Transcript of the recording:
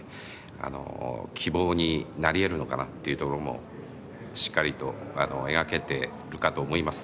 希望になり得るのかなっていうところもしっかりと描けているかと思います。